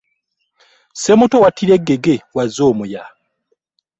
Ssemuto w'attira eggege w'azza omuya.